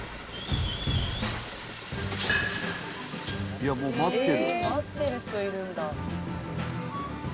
「いやもう待ってる」「待ってる人いるんだ」